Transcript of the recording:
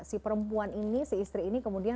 si perempuan ini si istri ini kemudian